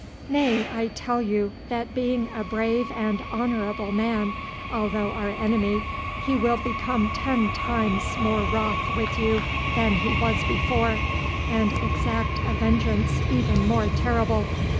Nay, I tell you that being a brave and honourable man, although our enemy, he will become ten times more wroth with you than he was before, and exact a vengeance even more terrible.